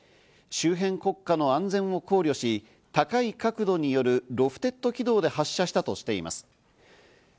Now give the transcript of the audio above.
周辺国家の安全を考慮し、高い角度によるロフテッド軌道で発射したとしています。